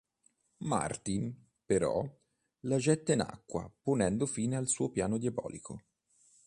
Martin, però, la getta in acqua ponendo fine al suo piano diabolico.